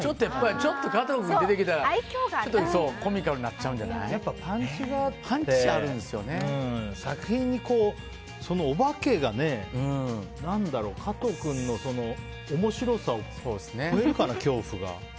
ちょっと加藤君が出てきたらコミカルにやっぱパンチがあって作品に、お化けが加藤君の面白さを超えるかな、恐怖が。